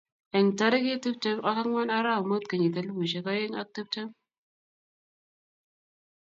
Eng tarikitab tiptem ak angwan arap mut kenyit elipusiek oeng ak tiptem